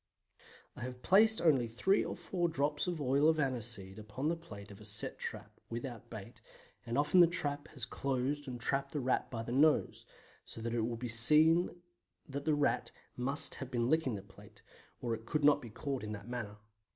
I have placed only three or four drops of oil of aniseed upon the plate of a set trap without bait, and often the trap has closed and trapped the Rat by the nose; so that it will be seen that the Rat must have been licking the plate, or it could not be caught in that manner.